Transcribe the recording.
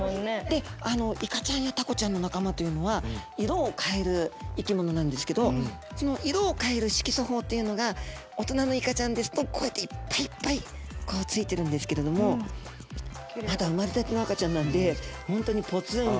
でイカちゃんやタコちゃんの仲間というのは色を変える生き物なんですけどその色を変える色素胞っていうのが大人のイカちゃんですとこうやっていっぱいいっぱいついてるんですけれどもまだ生まれたての赤ちゃんなんで本当にぽつんぽつんぽつんと。